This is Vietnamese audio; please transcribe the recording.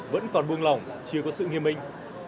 vẫn còn buông lỏng chưa có sự nghiêm minh